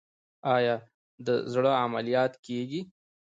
آیا د زړه عملیات کیږي؟